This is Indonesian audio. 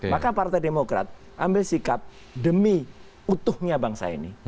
maka partai demokrat ambil sikap demi utuhnya bangsa ini